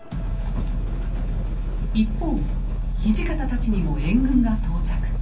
一方土方たちにも援軍が到着。